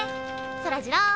そらジロー。